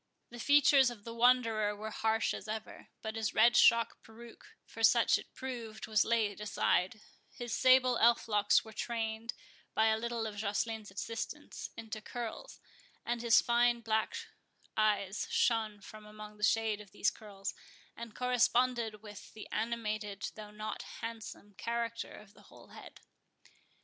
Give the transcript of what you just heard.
The features of the Wanderer were harsh as ever, but his red shock peruke, for such it proved, was laid aside, his sable elf locks were trained, by a little of Joceline's assistance, into curls, and his fine black eyes shone from among the shade of these curls, and corresponded with the animated, though not handsome, character of the whole head.